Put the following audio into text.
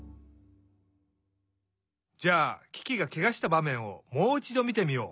じゃあキキがケガしたばめんをもういちどみてみよう。